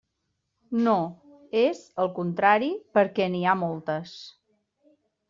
No, és, al contrari, perquè n'hi ha moltes.